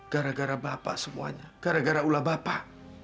gara gara bapak semuanya gara gara ulah bapak